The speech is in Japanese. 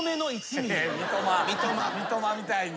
三笘みたいに。